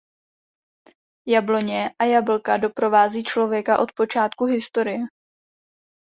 Jabloně a jablka doprovází člověka od počátku historie.